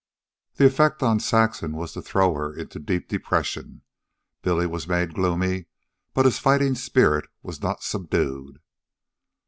The effect on Saxon was to throw her into deep depression. Billy was made gloomy, but his fighting spirit was not subdued.